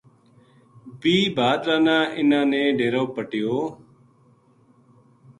بیہہ بھادرا نا اِنھاں نے ڈیرو پَٹیو